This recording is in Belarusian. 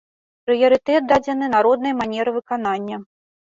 Прыярытэт дадзены народнай манеры выканання.